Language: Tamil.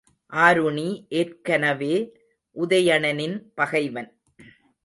ஆருணி ஏற்கனவே உதயணனின் பகைவன்.